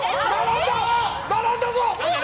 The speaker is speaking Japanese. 並んだぞ！